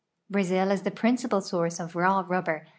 Brazil is the [)rinci|)a.l source of raw rublxM'.